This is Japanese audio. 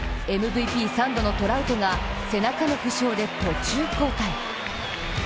ＭＶＰ３度のトラウトが、背中の負傷で途中交代。